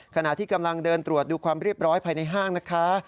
ขณะที่กำลังเดินตรวจดูความเรียบร้อยภายในห้างนะคะ